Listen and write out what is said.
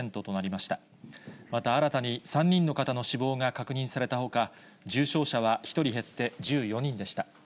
また新たに３人の方の死亡が確認されたほか、重症者は１人減って１４人でした。